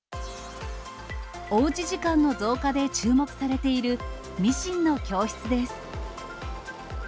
おうち時間の増加で注目されているミシンの教室です。